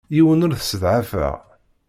Yiwen ur t-sseḍɛafeɣ.